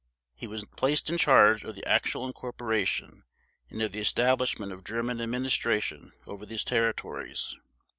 He was placed in charge of the actual incorporation, and of the establishment of German administration over these territories.